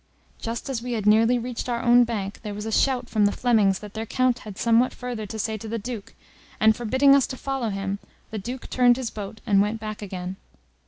Just as we had nearly reached our own bank, there was a shout from the Flemings that their Count had somewhat further to say to the Duke, and forbidding us to follow him, the Duke turned his boat and went back again.